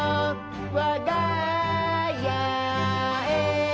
わがやへ」